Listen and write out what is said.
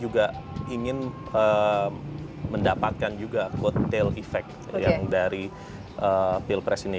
jadi kita ingin mendapatkan juga go tail effect dari pilpres ini